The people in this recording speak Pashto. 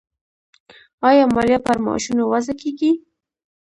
آیا مالیه پر معاشونو وضع کیږي؟